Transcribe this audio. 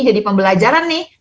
jadi pembelajaran nih